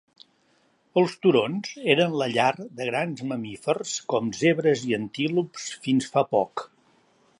Els turons eren la llar de grans mamífers com zebres i antílops fins fa poc.